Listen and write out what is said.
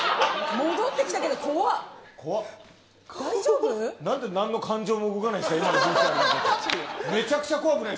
戻ってきたけど怖い。